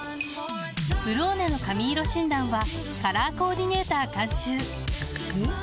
「ブローネ」の髪色診断はカラーコーディネーター監修おっ！